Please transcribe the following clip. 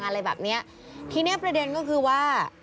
อะไรแบบเนี้ยทีเนี้ยประเด็นก็คือว่า